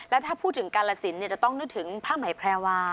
แล้วถ้าพูดถึงกาลสินจะต้องนึกถึงผ้าไหมแพรวา